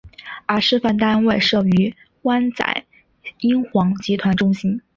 而示范单位设于湾仔英皇集团中心。